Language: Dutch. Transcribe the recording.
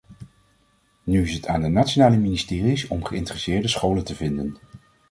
Nu is het aan de nationale ministeries om geïnteresseerde scholen te vinden.